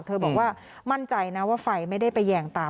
บอกว่ามั่นใจนะว่าไฟไม่ได้ไปแยงตา